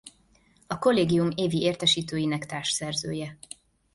A kollégium évi értesítőinek társszerzője.